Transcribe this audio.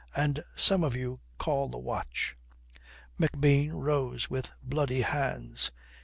And some of you call the watch." McBean rose with bloody hands.